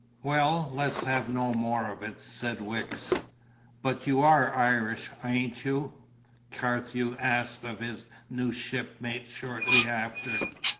"Well, let's have no more of it," said Wicks. "But you ARE Irish, ain't you?" Carthew asked of his new shipmate shortly after.